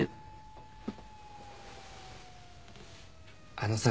あのさ